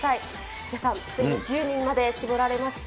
ヒデさん、ついに１０人まで絞られました。